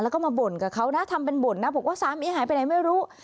แล้วก็มาบ่นกับเขานะทำเป็นบ่นนะบอกว่าสามีหายไปไหนไม่รู้